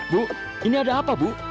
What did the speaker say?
bu ini ada apa bu